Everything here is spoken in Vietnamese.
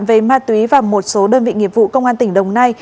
về ma túy và một số đơn vị nghiệp vụ công an tỉnh đồng nai